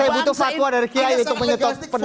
anda sangat degastik formal